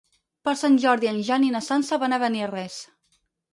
Per Sant Jordi en Jan i na Sança van a Beniarrés.